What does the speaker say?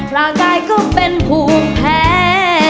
ร่างกายก็เป็นภูมิแพ้